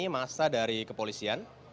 masa dari kepolisian